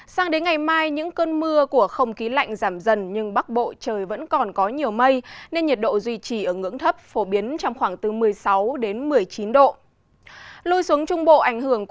xin chào các bạn